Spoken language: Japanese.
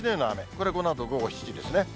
これ、このあと午後７時ですね。